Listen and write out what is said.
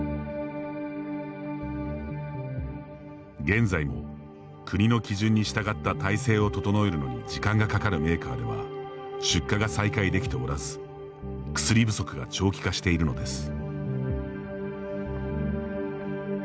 現在も、国の基準に従った体制を整えるのに時間がかかるメーカーでは出荷が再開できておらず薬不足が長期化しているのです。